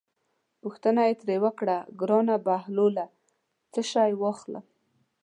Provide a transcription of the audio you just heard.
پوښتنه یې ترې وکړه: ګرانه بهلوله څه شی واخلم.